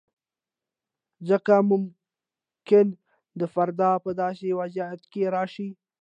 ځکه ممکنه ده فرد په داسې وضعیت کې راشي.